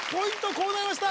こうなりました